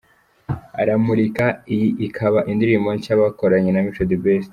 'Aramurika', iyi ikaba indirimbo nshya bakoranye na Mico The Best.